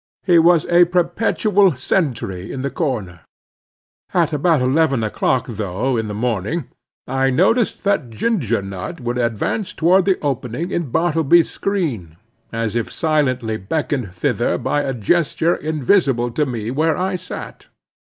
He was a perpetual sentry in the corner. At about eleven o'clock though, in the morning, I noticed that Ginger Nut would advance toward the opening in Bartleby's screen, as if silently beckoned thither by a gesture invisible to me where I sat.